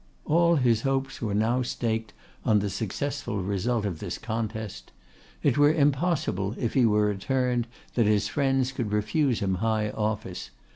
All his hopes were now staked on the successful result of this contest. It were impossible if he were returned that his friends could refuse him high office.